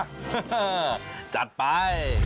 ฮ่าจัดไป